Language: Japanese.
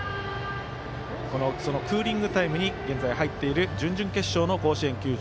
クーリングタイムに現在、入っている準々決勝。